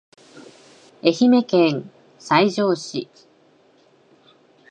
愛媛県西条市